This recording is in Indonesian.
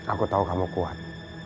aku tahu kamu kuat